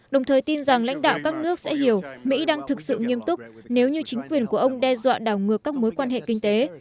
đồng thời tin rằng lãnh đạo các nước sẽ hiểu mỹ đang thực sự nghiêm túc nếu như chính quyền của ông đe dọa đảo ngược các mối quan hệ kinh tế